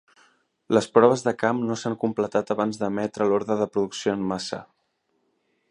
Les proves de camp no s"han completat abans d"emetre l"ordre de producció en massa.